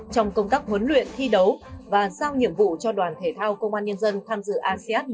trong công tác huấn luyện thi đấu và sao nhiệm vụ cho đoàn thể thao công an nhân dân tham dự asean một mươi hai